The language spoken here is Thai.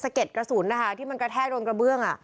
สะเก็ดกระสุนที่และสะเก็ดกระเบลื้อง